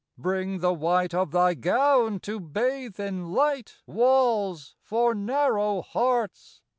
Bring the white Of thy gown to bathe in light Walls for narrow hearts.